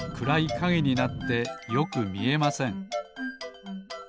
かげになってよくみえません